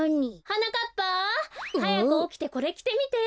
はやくおきてこれきてみて。